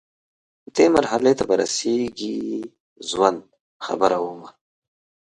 دې مرحلې ته به رسیږي ژوند، خبره ومه